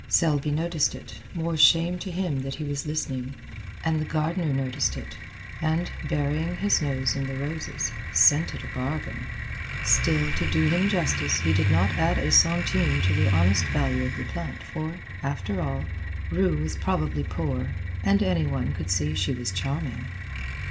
Selby noticed it, more shame to him that he was listening, and the gardener noticed it, and, burying his nose in the roses, scented a bargain. Still, to do him justice, he did not add a centime to the honest value of the plant, for after all, Rue was probably poor, and any one could see she was charming.